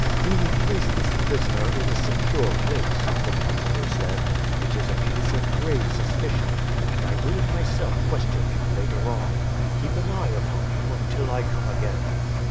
"You will place this prisoner in a secure place," the councillor said. "It is a case of grave suspicion; and I will myself question him later on. Keep an eye upon him until I come again."